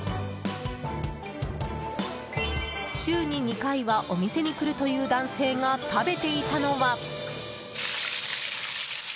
週に２回は、お店に来るという男性が食べていたのは。